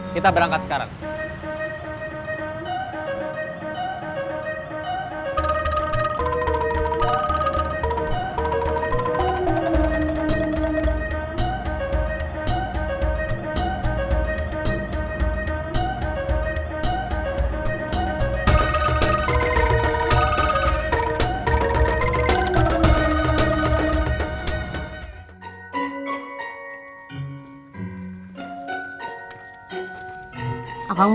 kita berangkat sekarang